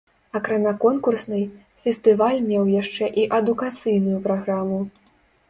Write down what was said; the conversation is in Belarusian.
Акрамя конкурснай, фестываль меў яшчэ і адукацыйную праграму.